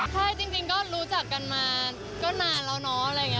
ใช่จริงก็รู้จักกันมาแค่นานแล้วน้อย